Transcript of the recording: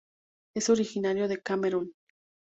Es originario de Camerún.